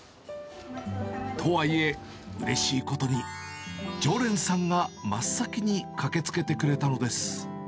とはいえ、うれしいことに常連さんが真っ先に駆けつけてくれたのです。